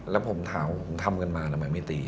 แล้วผมถามว่าผมทำกันมาทำไมไม่ตี